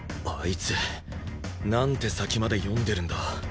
あいつ何手先まで読んでるんだ？